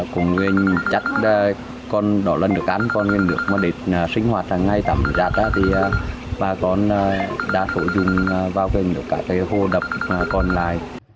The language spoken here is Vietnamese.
còn người chắc là đó là nước ăn còn cái nước mà để sinh hoạt hàng ngày tầm rạt thì bà con đã sổ dùng vào cái nước cả cái hồ đập còn lại